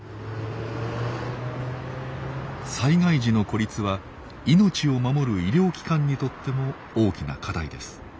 災害時の孤立は命を守る医療機関にとっても大きな課題です。